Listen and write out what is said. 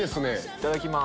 いただきます。